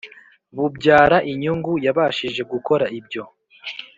bubyara inyungu Yabashije gukora ibyo